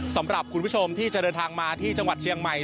สำหรับคุณผู้ชมที่จะเดินทางมาที่จังหวัดเชียงใหม่